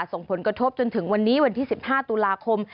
ส่งผลกระทบจนถึงวันนี้วันที่๑๕ตุลาคม